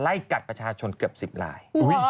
ไล่กัดประชาชนเกือบ๑๐ลาย